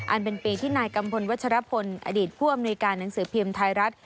เป็นปีที่นายกัมพลวัชรพลอดีตผู้อำนวยการหนังสือพิมพ์ไทยรัฐ